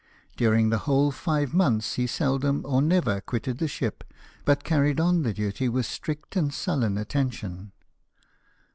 During the whole fiYQ months he seldom or never qui'tted the ship, but carried oh the duty with strict and sullen attention.